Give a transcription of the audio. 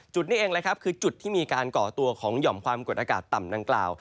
จุดนี้เองแหละครับคือจุดที่มีการก่อตัวของหย่อมความกดอากาศต่ำดังกล่าว